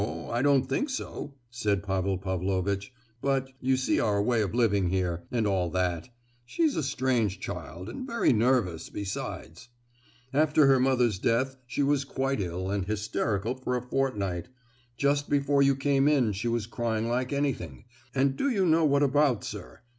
I don't think so" said Pavel Pavlovitch; "but, you see our way of living here, and all that: she's a strange child and very nervous, besides! After her mother's death she was quite ill and hysterical for a fortnight. Just before you came in she was crying like anything; and do you know what about, sir?